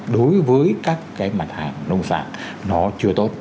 đối với các cái mặt hàng nông sản nó chưa tốt